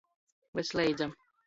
Vysleidza.